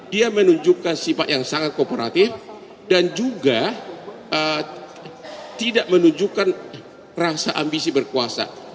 dia menunjukkan sifat yang sangat kooperatif dan juga tidak menunjukkan rasa ambisi berkuasa